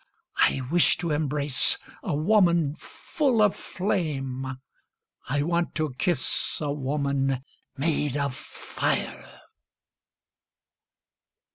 I wish to embrace a woman full of flame, I want to kiss a woman made of fire.